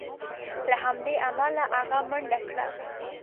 له همدې امله هغه منډه کړه.